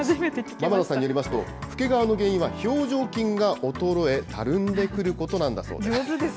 間々田さんによりますと、表情筋が衰え、たるんでくることなんだそうです。